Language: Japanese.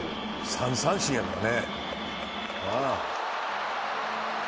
３三振やからね。